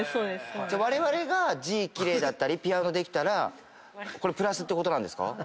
われわれが字奇麗だったりピアノできたらプラスってことですか？